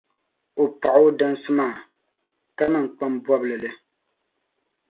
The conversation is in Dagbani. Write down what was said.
o paɣi o dansi maa, ka niŋ kpam bɔbili li.